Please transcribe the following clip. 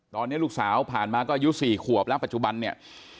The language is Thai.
ตอนนี้ลูกสาวผ่านมาก็อายุ๔ขวบแล้วปัจจุบันเนี่ย